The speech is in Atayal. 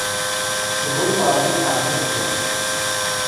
cbun wagi tunux nya